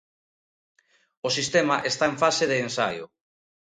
O sistema está en fase de ensaio.